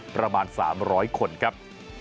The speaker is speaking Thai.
ประมาณ๓๐๐คนครับ